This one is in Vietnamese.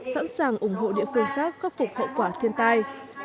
sẵn sàng ủng hộ địa phương khác khắc phục hậu quả thiên tai